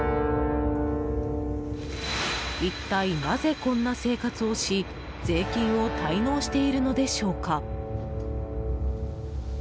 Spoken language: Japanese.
一体なぜ、こんな生活をし税金を滞納しているのでしょうか。